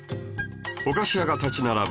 お菓子屋が立ち並ぶ